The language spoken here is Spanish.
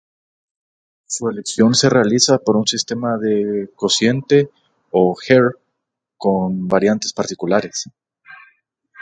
Su elección se realiza por un sistema de cociente o "Hare" con variantes particulares.